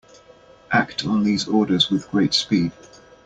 Act on these orders with great speed.